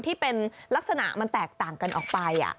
ที่เป็นลักษณะมันแตกต่างกันออกไป